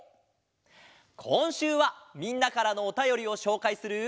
こんしゅうはみんなからのおたよりをしょうかいする。